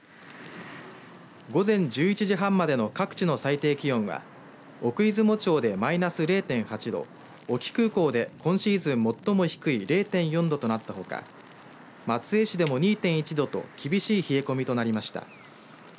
午前１１時半までの各地の最低気温は奥出雲町でマイナス０．８度隠岐空港で今シーズン最も低い０．４度となったほか松江市でも２．１度と厳しい冷え込みとなりました。